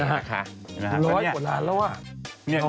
ร้อยกว่าล้านแล้วอ่ะ